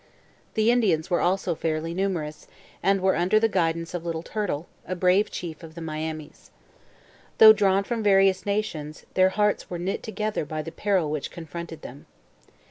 The Indians were also fairly numerous, and were under the guidance of Little Turtle, a brave chief of the Miamis. Though drawn from various nations, their hearts were knit together by the peril which confronted them.